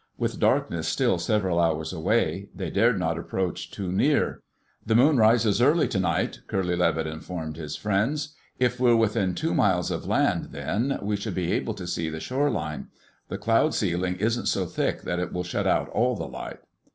With darkness still several hours away, they dared not approach too near. "The moon rises early tonight," Curly Levitt informed his friends. "If we're within two miles of land then, we should be able to see the shore line. The cloud ceiling isn't so thick that it will shut out all the light."